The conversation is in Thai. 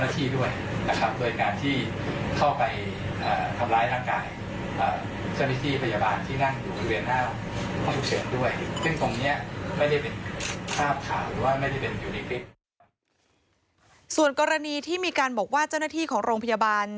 ส่วนกรณีที่มีการบอกว่าเจ้าหน้าที่ของโรงพยาบาล